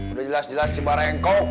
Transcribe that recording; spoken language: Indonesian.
udah jelas jelas si barengkok